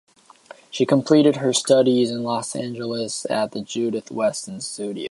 She completed her studies in Los Angeles at the Judith Weston Studios.